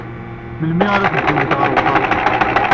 Melmi ara teddumt ɣer uxxam?